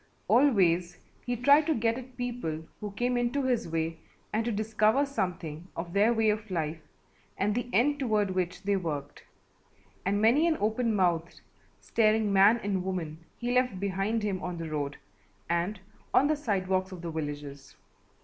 Always he tried to get at people who came into his way and to discover something of their way of life and the end toward which they worked, and many an open mouthed, staring man and woman he left behind him on the road and on the sidewalks of the villages.